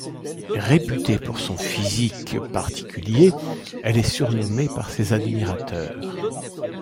Réputée pour son physique particulier, elle est surnommée par ses admirateurs.